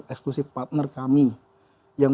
eksklusif partner kami yang